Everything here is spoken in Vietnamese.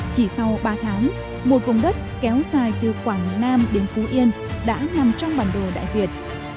chỉ sau ba tháng một vùng đất kéo dài từ quảng nam đến phú yên đã nằm trong bản đồ đại việt